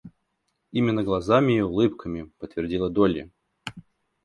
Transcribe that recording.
Именно глазами и улыбками, — подтвердила Долли.